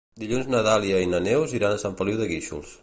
Dilluns na Dàlia i na Neus iran a Sant Feliu de Guíxols.